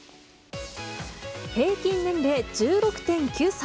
平均年齢１６．９歳。